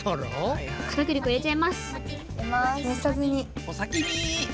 お先に。